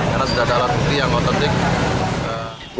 karena sudah ada alat bukti yang ototik